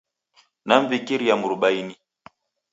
Namw'ikiria Mrubaini.